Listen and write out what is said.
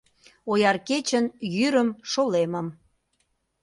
Ояр кечын йӱрым, шолемым